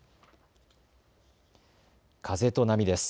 風と波です。